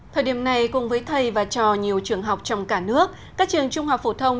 thời điểm này cùng với thầy và trò nhiều trường học trong cả nước các trường trung học phổ thông